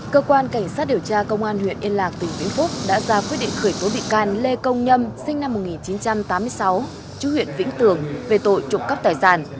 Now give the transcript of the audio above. cơ quan cảnh sát điều tra công an huyện yên lạc tỉnh vĩnh phúc đã ra quyết định khởi tố bị can lê công nhâm sinh năm một nghìn chín trăm tám mươi sáu chú huyện vĩnh tường về tội trộm cắp tài sản